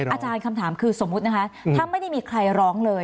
อาจารย์คำถามคือสมมุตินะคะถ้าไม่ได้มีใครร้องเลย